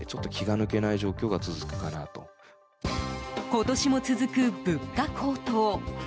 今年も続く物価高騰。